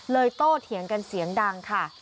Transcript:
โต้เถียงกันเสียงดังค่ะ